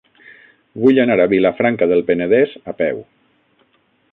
Vull anar a Vilafranca del Penedès a peu.